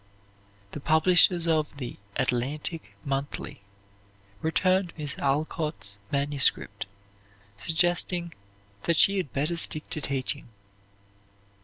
The publishers of the "Atlantic Monthly" returned Miss Alcott's manuscript, suggesting that she had better stick to teaching.